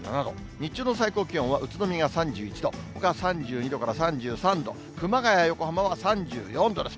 日中の最高気温は宇都宮が３１度、ほかは３２度から３３度、熊谷、横浜は３４度です。